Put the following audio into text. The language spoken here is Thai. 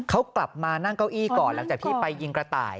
เขากลับมานั่งเก้าอี้ก่อนหลังจากที่ไปยิงกระต่าย